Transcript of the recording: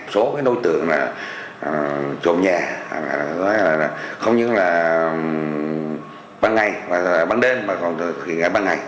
số nội tượng là trộm nhà không những là ban ngày ban đêm mà còn là ban ngày